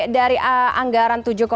dari anggaran tujuh lima